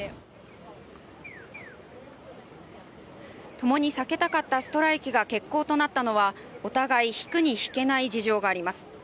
ともに避けたかったストライキが決行となったのはお互い引くに引けない事情があります。